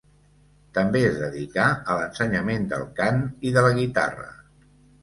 També es dedicà a l'ensenyament del cant i de la guitarra.